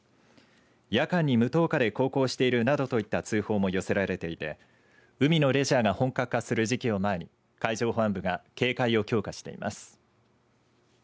夜間に無灯火で航行しているなどといった通報も寄せられていて海のレジャーが本格化する時期を前に海上保安部が警戒を強化しています。